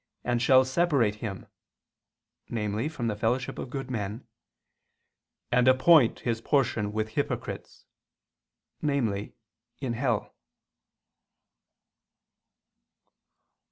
. and shall separate him," namely from the fellowship of good men, "and appoint his portion with hypocrites," namely in hell.